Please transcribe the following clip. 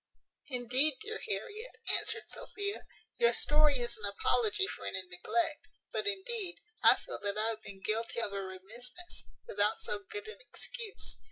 "Indeed, dear Harriet," answered Sophia, "your story is an apology for any neglect; but, indeed, I feel that I have been guilty of a remissness, without so good an excuse.